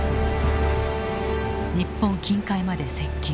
日本近海まで接近。